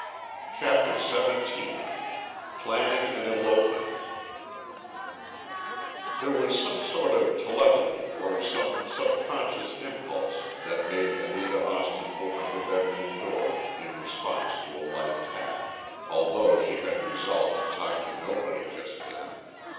CHAPTER XVII PLANNING AN ELOPEMENT There was some sort of telepathy or some subconscious impulse that made Anita Austin open her bedroom door in response to a light tap, although she had resolved to talk to nobody just then.